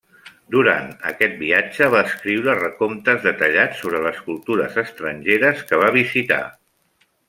Durant aquest viatge va escriure recomptes detallats sobre les cultures estrangeres que va visitar.